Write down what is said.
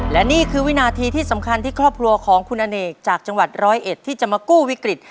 และนี่คือวินาทีที่สำคัญที่ครอบครัวของคุณอเนกจากจังหวัดร้อยเอ็ดที่จะมากู้วิกฤต